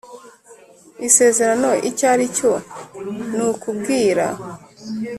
isezerano icyo ari cyo Ni ukubwira